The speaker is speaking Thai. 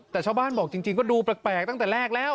แต่ชาวบ้านบอกจริงก็ดูแปลกตั้งแต่แรกแล้ว